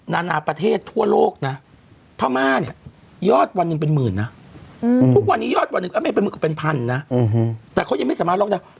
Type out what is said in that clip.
มันพังหมดเลยเพราะครั้งนี้แล้ว